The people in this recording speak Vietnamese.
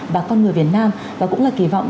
bà con người việt nam và cũng là kỳ vọng